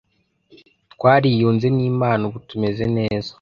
twariyunze n Imana ubu tumeze neza